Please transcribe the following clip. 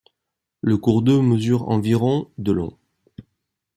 Le cours d'eau mesure environ de long.